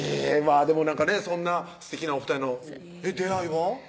へぇそんなすてきなお２人の出会いは？